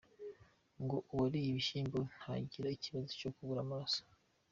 Ngo uwariye ibishyimbo nta gira ikibazo cyo kubura amaraso.